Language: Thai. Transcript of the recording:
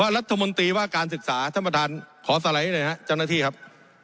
ว่ารัฐมนตรีว่าการศึกษาท่านประธานขอสะไล้หน่อยครับเจ้าหน้าที่ครับ